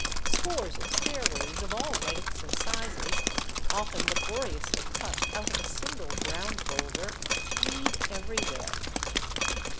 Scores of stairways of all lengths and sizes, often laboriously cut out of a single ground boulder, lead everywhere.